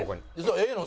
ええの？